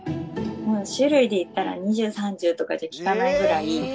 種類でいったら２０３０とかじゃきかないぐらい。